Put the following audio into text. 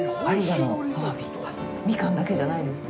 みかんだけじゃないんですね。